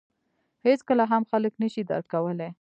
• هېڅکله هم خلک نهشي درک کولای.